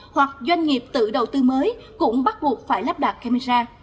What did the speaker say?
hoặc doanh nghiệp tự đầu tư mới cũng bắt buộc phải lắp đặt camera